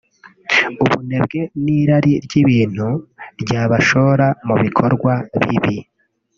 ubunebwe n’irari ry’ibintu ryabashora mu bikorwa bibi